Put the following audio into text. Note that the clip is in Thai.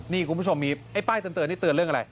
นี่คุณผู้ชมมีไอ้ป้ายเตือนนี่เตือนเรื่องอะไร